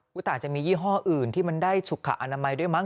แต่อาจจะมียี่ห้ออื่นที่มันได้สุขอนามัยด้วยมั